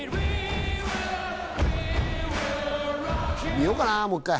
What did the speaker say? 見ようかな、もう１回。